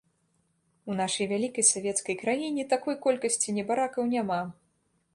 У нашай вялікай савецкай краіне такой колькасці небаракаў няма!